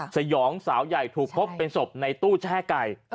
สยองสาวใหญ่ถูกพบเป็นศพในตู้แช่ไก่